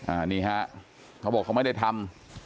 อันนี้ฮะเขาบอกเขาไม่ได้ทำ